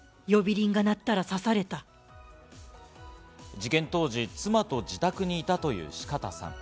事件当時、妻と自宅にいたという四方さん。